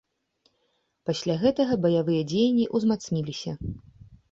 Пасля гэтага баявыя дзеянні ўзмацніліся.